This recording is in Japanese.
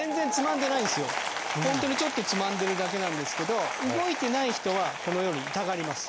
本当にちょっとつまんでるだけなんですけど動いてない人はこのように痛がります。